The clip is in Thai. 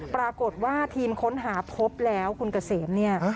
ปรากฏว่าทีมค้นหาพบแล้วคุณเกษมเนี่ย